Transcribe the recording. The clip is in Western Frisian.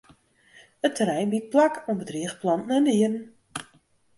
It terrein biedt plak oan bedrige planten en dieren.